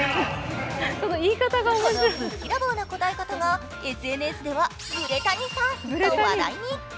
このぶっきらぼうな答え方がＳＮＳではグレ谷さんと話題に。